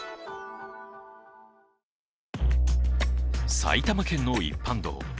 埼玉県の一般道。